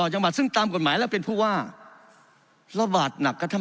จังหวัดซึ่งตามกฎหมายแล้วเป็นผู้ว่าระบาดหนักก็ทำ